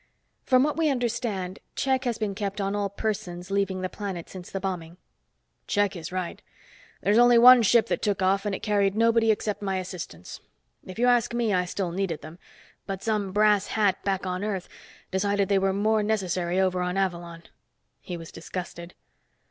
"From what we understand, check has been kept on all persons leaving the planet since the bombing." "Check is right. There's only one ship that took off and it carried nobody except my assistants. If you ask me, I still needed them, but some brass hat back on Earth decided they were more necessary over on Avalon." He was disgusted.